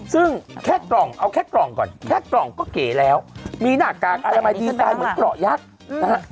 ซึ่งแค่กล่องเอาแค่กล่องก่อนแค่กล่องก็เก๋แล้วมีหน้ากากอนามัยดีไซน์เหมือนเกราะยักษ์นะฮะ